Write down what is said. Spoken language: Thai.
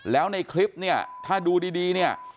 แล้วในคลิปเนี่ยถ้าดูดีเนี่ย